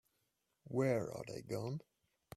Where are they gone?